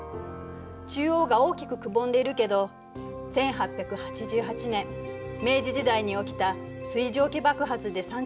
中央が大きくくぼんでいるけど１８８８年明治時代に起きた水蒸気爆発で山頂部分が吹き飛んでしまったの。